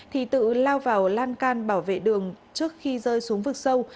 thì tự lao vào lan can bảo vệ đường trước khi rơi xuống vực sâu